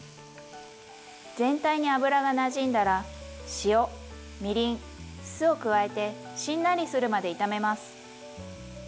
全体に油がなじんだら塩みりん酢を加えてしんなりするまで炒めます。